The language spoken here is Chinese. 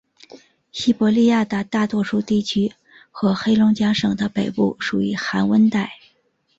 西伯利亚的大多数地区和黑龙江省的北部属于寒温带。